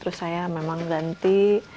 terus saya memang ganti